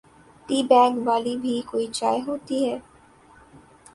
T bag والی بھی کوئی چائے ہوتی ہے؟